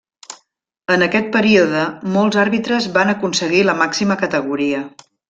En aquest període molts àrbitres van aconseguir la màxima categoria.